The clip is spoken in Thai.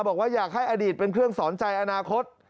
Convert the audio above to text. บอกว่าอยากให้อดีตเป็นเครื่องสอนใจอนาคต